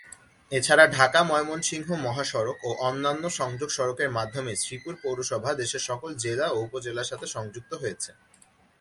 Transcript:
এছাড়া ঢাকা-ময়মনসিংহ মহাসড়ক ও অন্যান্য সংযোগ সড়কের মাধ্যমে শ্রীপুর পৌরসভা দেশের সকল জেলা ও উপজেলার সাথে সংযুক্ত হয়েছে।